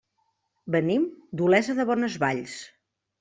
Venim d'Olesa de Bonesvalls.